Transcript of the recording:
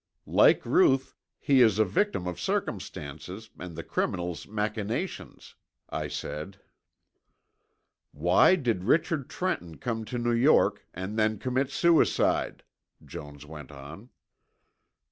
"Like Ruth he is a victim of circumstances and the criminal's machinations," I said. "Why did Richard Trenton come to New York and then commit suicide?" Jones went on.